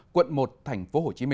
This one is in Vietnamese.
quận một tp hcm